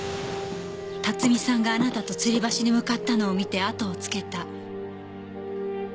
辰巳さんがあなたとつり橋に向かったのを見てあとをつけた。